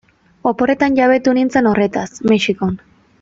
Oporretan jabetu nintzen horretaz, Mexikon.